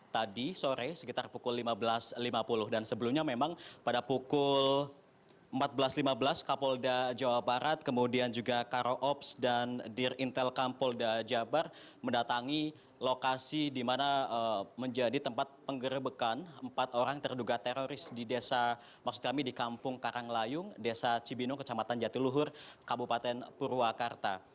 tadi sore sekitar pukul lima belas lima puluh dan sebelumnya memang pada pukul empat belas lima belas kapolda jawa barat kemudian juga karo ops dan dir intel kampolda jabar mendatangi lokasi di mana menjadi tempat penggerbekan empat orang terduga teroris di desa maksud kami di kampung karanglayung desa cibinung kecamatan jatiluhur kabupaten purwakarta